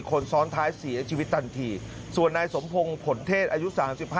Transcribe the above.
คนซ้อนท้ายเสียชีวิตทันทีส่วนนายสมพงศ์ผลเทศอายุ๓๕